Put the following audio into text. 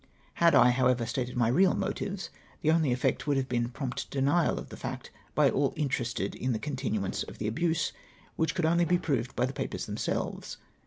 Had I, however, stated my real motives, the only effect would have been prompt denial of the fact by all in terested in the continuance of tlie abuse, which could only be proved by the papers themselves.